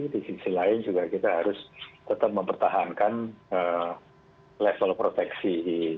di sisi lain juga kita harus tetap mempertahankan level proteksi